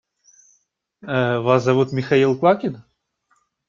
Вас зовут Михаил Квакин.